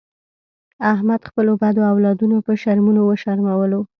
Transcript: احمد خپلو بدو اولادونو په شرمونو و شرمولو.